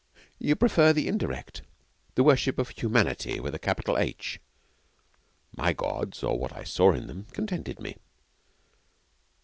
'You prefer the indirect? The worship of Humanity with a capital H? My Gods, or what I saw in them, contented me.'